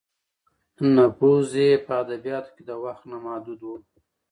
نفوذ یې په ادبیاتو کې د وخت نه محدود و.